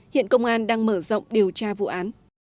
hiện công an đang mở rộng điều tra vụ án